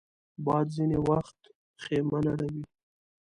باد ځینې وخت خېمه نړوي